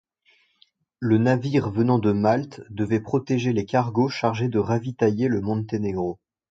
Le navire, venant de Malte, devait protéger les cargos chargés de ravitailler le Monténégro.